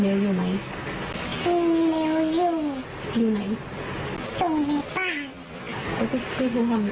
พี่ฟูพี่ฟูพี่ฟูเรียกเหรอหรือว่าไง